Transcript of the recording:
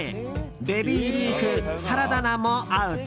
ベビーリーフ、サラダ菜もアウト。